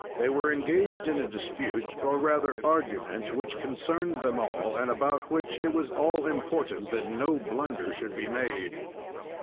They were engaged in a dispute, or rather argument, which concerned them all, and about which it was all important that no blunder should be made.